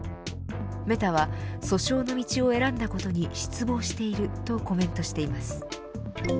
メタは、訴訟の道を選んだことに失望しているとコメントしています。